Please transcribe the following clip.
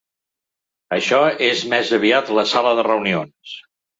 Això és més aviat la sala de reunions.